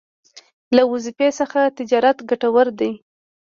له وظيفې څخه تجارت ګټور دی